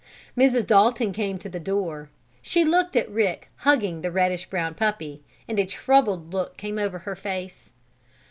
Mrs. Dalton came to the door. She looked at Rick hugging the reddish brown puppy, and a troubled look came over her face.